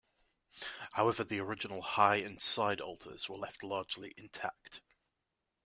However, the original high and side altars were left largely intact.